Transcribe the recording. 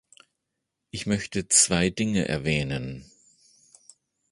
Ich möchte zwei Dinge erwähnen.